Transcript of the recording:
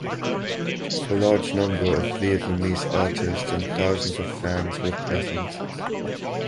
A large number of Vietnamese artists and thousands of fans were present.